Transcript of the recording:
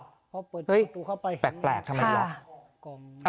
เฮ้ยแปลกทำไมล่ะ